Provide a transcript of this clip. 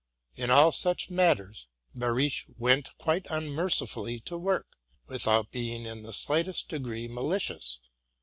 In all such matters. Behrisch went quite unmercifally to work. without being in the slightest degree nalicicts.